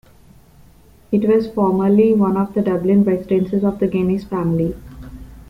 It was formerly one of the Dublin residences of the Guinness family.